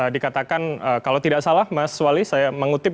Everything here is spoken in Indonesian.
dikatakan kalau tidak salah mas wali saya mengutip